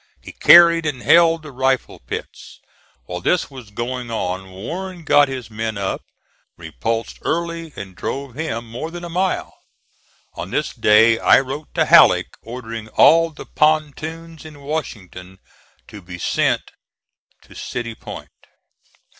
He carried and held the rifle pits. While this was going on Warren got his men up, repulsed Early, and drove him more than a mile. On this day I wrote to Halleck ordering all the pontoons in Washington to be sent to City Point.